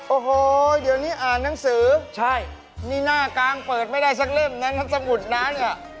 โอ้โหเดี๋ยวนี้อ่านหนังสือใช่นี่หน้ากางเปิดไม่ได้สักเล่มนั้นถ้าสมุดน้ำเนี่ย